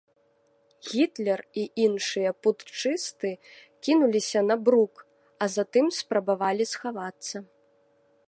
Гітлер і іншыя путчысты кінуліся на брук, а затым спрабавалі схавацца.